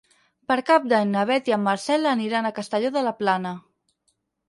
Per Cap d'Any na Beth i en Marcel aniran a Castelló de la Plana.